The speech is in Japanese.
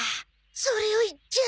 それを言っちゃ。